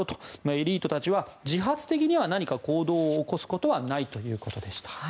エリートたちは自発的には何か行動を起こすことはないということでした。